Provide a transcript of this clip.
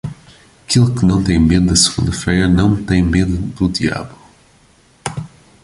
Aquele que não tem medo da segunda-feira não tem medo do diabo.